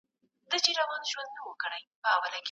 د سونډ دانې شیندلې